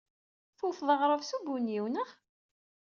Tewted aɣrab s ubunyiw, naɣ?